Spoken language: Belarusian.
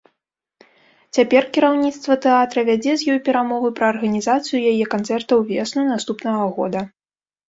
Цяпер кіраўніцтва тэатра вядзе з ёй перамовы пра арганізацыю яе канцэрта ўвесну наступнага года.